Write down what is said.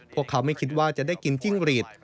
พวกเขาไม่คิดว่าจะได้กินจิ้งหรีด